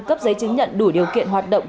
cấp giấy chứng nhận đủ điều kiện hoạt động